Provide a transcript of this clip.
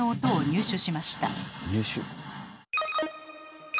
入手？